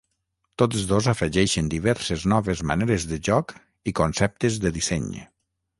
Tots dos afegeixen diverses noves maneres de joc i conceptes de disseny.